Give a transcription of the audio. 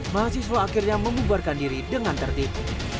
mahasiswa akhirnya membubarkan diri dengan tertib